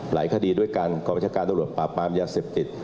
หลายคดีด้วยกันกองประชาการตำรวจปราบปรามยาเสพติด